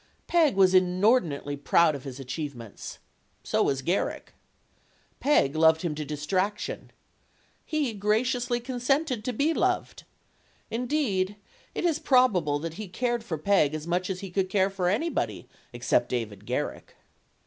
Peg was inordinately proud of his achievements. So was Garrick. Peg loved him to distraction. He graciously consented to be loved. Indeed, it is probable that he cared for Peg as much as he could care for anybody except David Garrick.